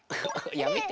やめて。